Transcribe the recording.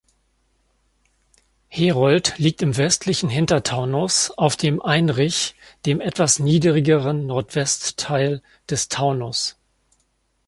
Herold liegt im westlichen Hintertaunus, auf dem Einrich dem etwas niedrigeren Nordwestteil des Taunus.